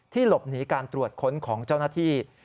หลบหนีการตรวจค้นของเจ้าหน้าที่